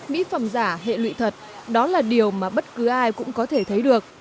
mỹ phẩm giả hệ lụy thật đó là điều mà bất cứ ai cũng có thể thấy được